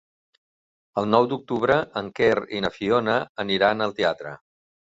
El nou d'octubre en Quer i na Fiona aniran al teatre.